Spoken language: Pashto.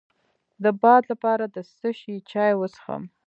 د باد لپاره د څه شي چای وڅښم؟